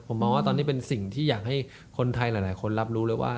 ผมมองว่าตอนนี้เป็นสิ่งที่อยากให้คนไทยหลายคนรับรู้เลยว่า